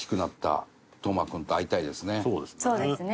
そうですね。